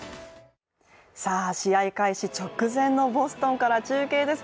試合開始直前のボストンから中継です。